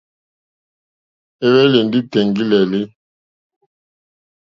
Éhwélì ndí tèŋɡílǃélí.